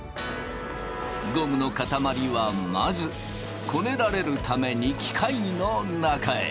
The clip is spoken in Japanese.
ゴムの塊はまずこねられるために機械の中へ。